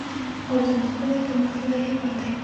اردن پخپله یو پرمختللی هېواد دی.